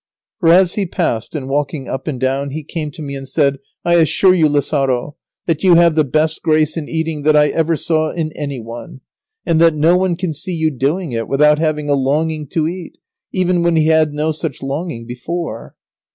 For as he passed, in walking up and down, he came to me and said: "I assure you, Lazaro, that you have the best grace in eating that I ever saw in any one, and that no one can see you doing it, without having a longing to eat, even when he had no such longing before."